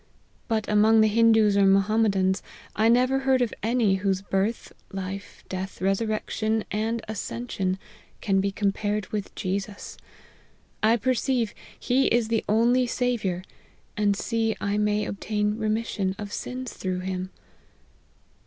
But, among the Hindoos or Mohammedans, I never heard of any whose birth, life, death, resurrection, and ascension, can be compared with Jesus. I per ceive he is the only Saviour, and I see I may ob tain remission of sins through him.'